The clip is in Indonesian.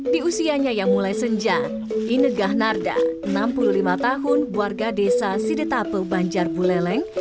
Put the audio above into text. di usianya yang mulai senja inegah narda enam puluh lima tahun warga desa sidetape banjar buleleng